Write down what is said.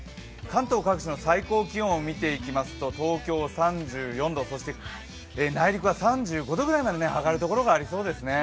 関東各地の最高気温を見ていきますと、東京３４度、そして内陸は３５度ぐらいまで上がる所がありそうですね。